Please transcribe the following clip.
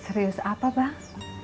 serius apa bang